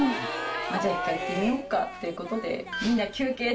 じゃ一回行ってみよっかっていうことで。